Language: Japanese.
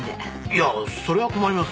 いやそれは困ります。